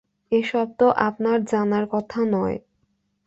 এসব তো আপনার জানার কথা নয়।